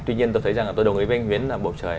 tuy nhiên tôi thấy rằng tôi đồng ý với anh huyến là bầu trời